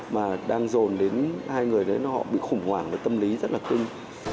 mà đang dồn đến hai người đấy họ bị khủng hoảng và tâm lý rất là kinh